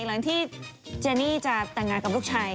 หลังที่เจนี่จะแต่งงานกับลูกชาย